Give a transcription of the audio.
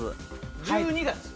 １２月！